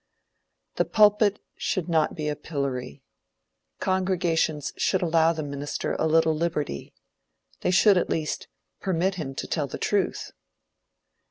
The pulpit should not be a pillory. Congregations should allow the minister a little liberty. They should, at least, permit him to tell the truth.